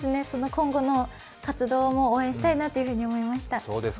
今後の活動も応援したいなと思いました。